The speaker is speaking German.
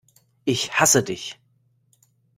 Ich hasse Dich!